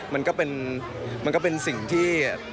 มันก็เป็นมันก็เป็นสิ่งที่